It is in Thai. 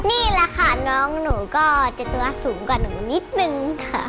นี่แหละค่ะน้องหนูก็เป็นตัวที่สูงกว่านั้นนิชด์หนึ่งค่ะ